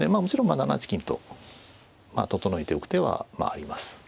もちろん７八金と整えておく手はあります。